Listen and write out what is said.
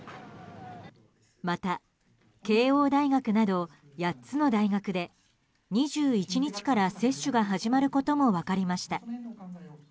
また、慶應大学など８つの大学で２１日から接種が始まることも分かりました。